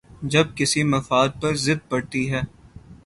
جب کسی مفاد پر زد پڑتی ہے۔